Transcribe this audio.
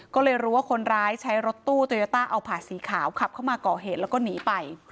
ก็เลยรู้ว่าคนร้ายใช้รถตู้โตโยต้าเอาผาสีขาวขับเข้ามาก่อเหตุแล้วก็หนีไป